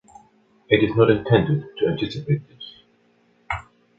It is not intended to anticipate this.